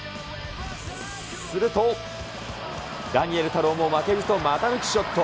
すると、ダニエル太郎も負けじと股抜きショット。